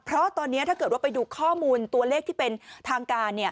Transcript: เพราะตอนนี้ถ้าเกิดว่าไปดูข้อมูลตัวเลขที่เป็นทางการ